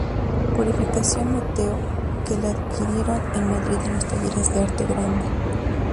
Purificación Mateo, que la adquirieron en Madrid en los Talleres de Arte Granda.